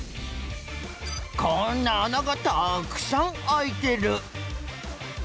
こんなあながたくさんあいてる。